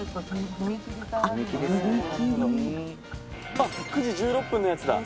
あっ９時１６分のやつだ。